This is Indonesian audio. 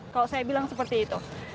kalau saya bilang seperti itu